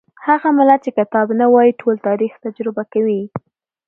هغه ملت چې کتاب نه وايي ټول تاریخ تجربه کوي.